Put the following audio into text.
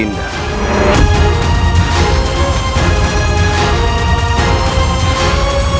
kanda akan mempercepat